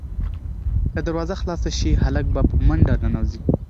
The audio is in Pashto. که دروازه خلاصه شي، هلک به په منډه ننوځي.